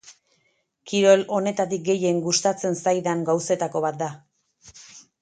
Kirol honetatik gehien gustatzen zaidan gauzetako bat da.